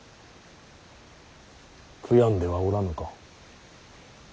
悔やんではおらぬか。